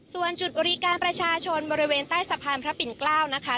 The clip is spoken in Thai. ส่วนจุดบริการประชาชนบริเวณใต้สะพานพระปิ่นเกล้านะคะ